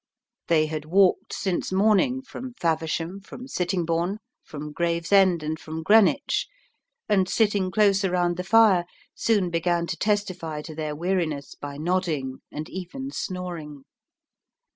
They had walked since morning from Faversham, from Sittingbourne, from Gravesend, and from Greenwich, and, sitting close around the fire, soon began to testify to their weariness by nodding, and even snoring.